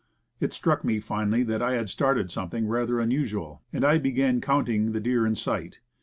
It struck me finally that I had started something rather unusual, and I began counting the deer in sight.